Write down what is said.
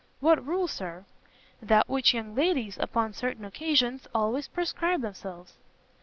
"What rule, Sir?" "That which young ladies, upon certain occasions, always prescribe themselves."